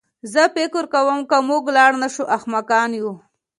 زه فکر کوم که موږ لاړ نه شو نو احمقان یو